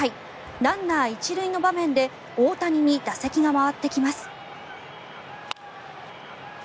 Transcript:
ランナー１塁の場面で大谷に打席が回ってきます。